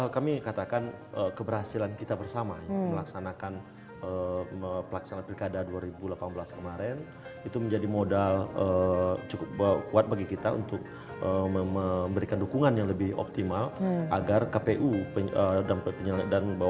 kami katakan keberhasilan kita bersama yang melaksanakan pelaksanaan pirkada dua ribu delapan belas kemarin itu menjadi modal cukup kuat bagi kita untuk memberikan dukungan yang lebih optimal agar kpu dan bawaslu sebagai penyelenggara pemilu bisa melaksanakan pilek dan pilpres dengan baik